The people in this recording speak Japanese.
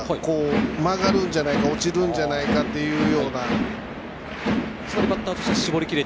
曲がるんじゃないか落ちるんじゃないかというような。